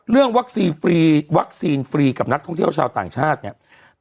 วัคซีนฟรีวัคซีนฟรีกับนักท่องเที่ยวชาวต่างชาติเนี่ย